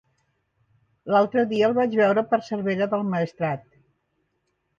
L'altre dia el vaig veure per Cervera del Maestrat.